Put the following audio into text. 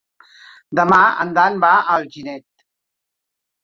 Demà en Dan va a Alginet.